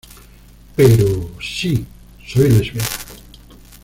Pero sí, soy lesbiana".